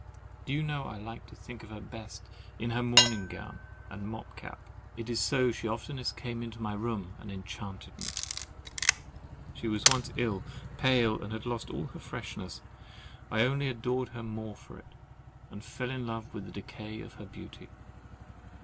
Do you know I like to think of her best in her morning gown and mob cap—it is so she has oftenest come into my room and enchanted me! She was once ill, pale, and had lost all her freshness. I only adored her the more for it, and fell in love with the decay of her beauty.